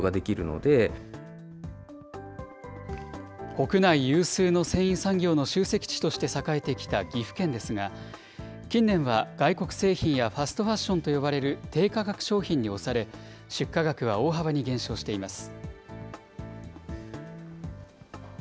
国内有数の繊維産業の集積地として栄えてきた岐阜県ですが、近年は外国製品やファストファッションと呼ばれる低価格商品に押され、出荷額は大幅に減少しています。